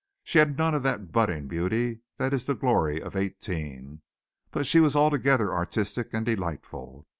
She had none of that budding beauty that is the glory of eighteen, but she was altogether artistic and delightful.